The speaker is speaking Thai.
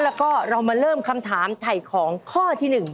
แล้วก็เรามาเริ่มคำถามไถ่ของข้อที่๑